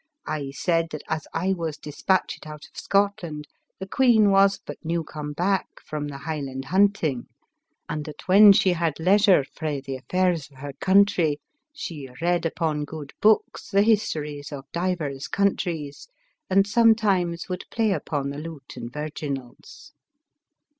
I said, that as I was dispatchit out of Scotland, the queen was but new come back from the Highland hunting ; and that when she had leisure frae the affairs ELIZABETH OF ENGLAND. 311 of her country, she read upon guid books the histories of divers countries ; and sometimes would play upon the lute and virginals.